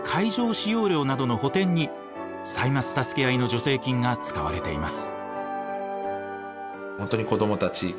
使用料などの補填に「歳末たすけあい」の助成金が使われています。